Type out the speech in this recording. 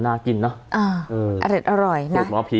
พาข้อบครบโรนลุงพล